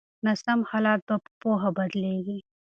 ناسم حالات په پوهه بدلیږي.